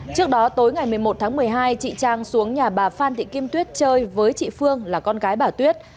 trước đó tối ngày một mươi một tháng một mươi hai chị trang xuống nhà bà phan thị kim tuyết chơi với chị phương là con gái bà tuyết